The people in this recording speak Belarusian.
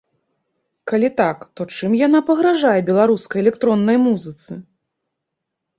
Калі так, то чым яна пагражае беларускай электроннай музыцы?